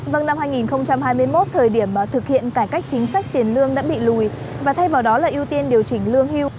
vâng năm hai nghìn hai mươi một thời điểm thực hiện cải cách chính sách tiền lương đã bị lùi và thay vào đó là ưu tiên điều chỉnh lương hưu